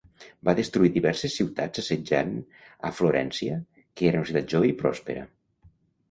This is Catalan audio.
Va destruir diverses ciutats assetjant a Florència que era una ciutat jove i prospera.